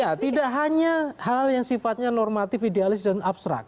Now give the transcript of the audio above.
ya tidak hanya hal yang sifatnya normatif idealis dan abstrak